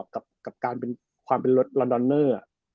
กับการเป็นรอนดอนเนอร์